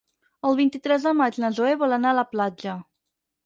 El vint-i-tres de maig na Zoè vol anar a la platja.